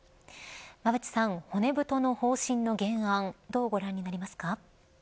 馬渕さん、骨太の方針の原案どうご覧になりますか。